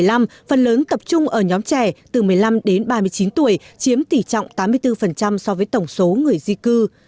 năm hai nghìn một mươi năm phần lớn tập trung ở nhóm trẻ từ một mươi năm đến ba mươi chín tuổi chiếm tỷ trọng tám mươi bốn so với tổng số người di cư